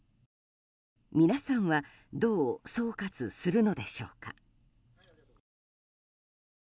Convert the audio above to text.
皆さんはどう総括するのでしょうか。